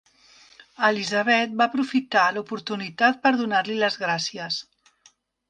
Elizabeth va aprofitar l'oportunitat per donar-li les gràcies.